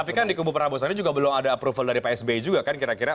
tapi kan di kubu prabowo sandi juga belum ada approval dari pak sby juga kan kira kira